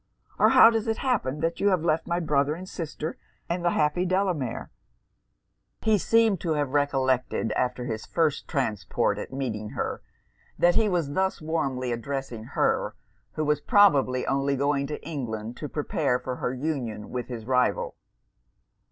or how does it happen that you have left my brother and sister, and the happy Delamere?' He seemed to have recollected, after his first transport at meeting her, that he was thus warmly addressing her who was probably only going to England to prepare for her union with his rival.